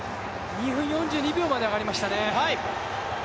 ２分４２秒まで上がりましたね。